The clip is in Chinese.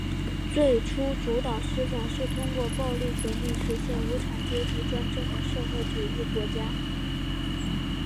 最初主导思想是通过暴力革命实现无产阶级专政的社会主义国家。